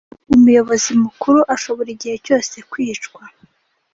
Umuyobozi Mukuru ashobora igihe cyose kwicwa